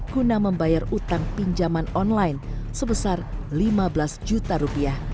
guna membayar utang pinjaman online sebesar lima belas juta rupiah